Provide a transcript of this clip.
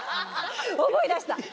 思い出した！